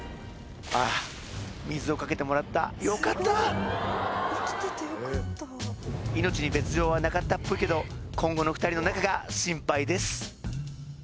あっ水をかけてもらったよかった命に別状はなかったっぽいけど今後の２人の仲が心配です